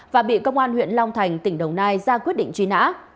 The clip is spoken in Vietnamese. và bị công an huyện long thành tỉnh đồng nai ra quyết định truy nã